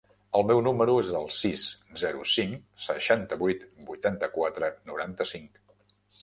El meu número es el sis, zero, cinc, seixanta-vuit, vuitanta-quatre, noranta-cinc.